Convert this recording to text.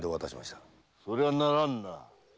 そりゃならんな。